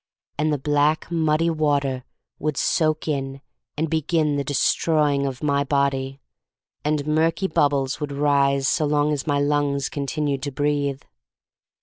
And the black, muddy water would soak in and begin the de stroying of my body, and murky bub bles would rise so long as my lungs continued to breathe.